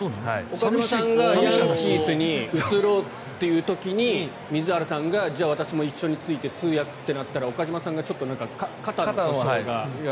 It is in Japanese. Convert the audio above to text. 岡島さんがヤンキースに移ろうという時に水原さんがじゃあ私も実際について通訳ってなったら岡島さんが肩の故障が。